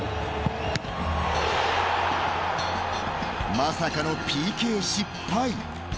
まさかのＰＫ失敗。